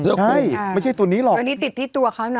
ไม่ใช่ตัวนี้หรอกอันนี้ติดที่ตัวเขานะ